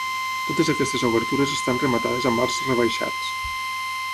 Totes aquestes obertures estan rematades amb arcs rebaixats.